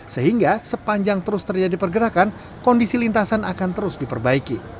sehingga sepanjang terus terjadi pergerakan kondisi lintasan akan terus diperbaiki